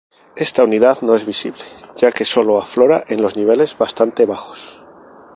Esta unidad no es visible ya que sólo aflora en niveles bastante bajos.